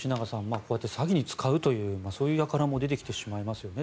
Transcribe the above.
こうやって詐欺に使うというそういう輩も出てきてしまいますよね